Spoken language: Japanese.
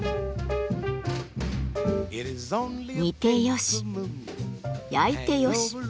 煮てよし焼いてよし。